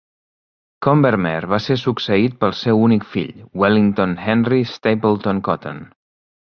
Combermere va ser succeït pel seu únic fill, Wellington Henry Stapleton-Cotton.